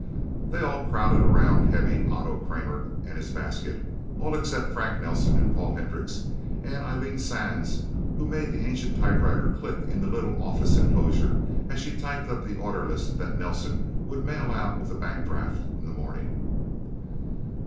They all crowded around heavy Otto Kramer and his basket all except Frank Nelsen and Paul Hendricks, and Eileen Sands who made the ancient typewriter click in the little office enclosure, as she typed up the order list that Nelsen would mail out with a bank draft in the morning.